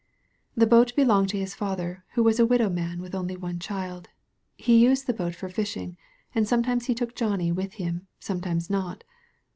"The boat belonged to his father, who was a widow man with only one child. He used the boat for fishing, and sometimes he took Johnny with him, sometimes not.